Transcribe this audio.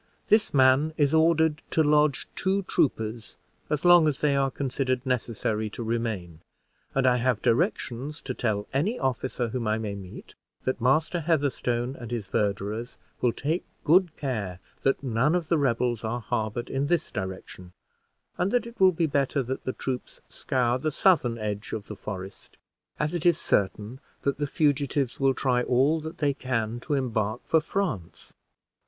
This man is ordered to lodge two troopers as long as they are considered necessary to remain; and I have directions to tell any officer whom I may meet, that Master Heatherstone and his verderers will take good care that none of the rebels are harbored in this direction; and that it will be better that the troops scour the southern edge of the forest, as it is certain that the fugitives will try all that they can to embark for France."